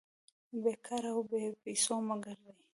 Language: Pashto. بې کاره او بې پېسو مه ګرځئ!